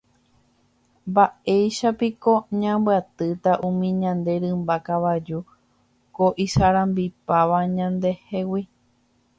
Mba'éichapiko ñambyatýta umi ñane rymba kavaju ko isarambipáva ñandehegui.